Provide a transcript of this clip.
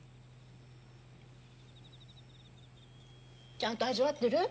ちゃんと味わってる？